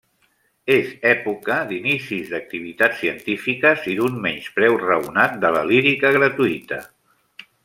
És època d'inicis d'activitats científiques i d'un menyspreu raonat de la lírica gratuïta.